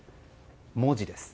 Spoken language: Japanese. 文字です。